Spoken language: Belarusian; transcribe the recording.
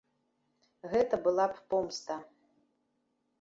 Гэта была б помста.